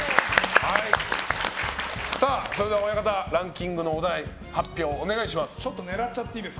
それでは親方、ランキングのお題発表お願いします。